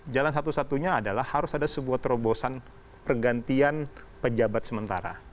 jalan satu satunya adalah harus ada sebuah terobosan pergantian pejabat sementara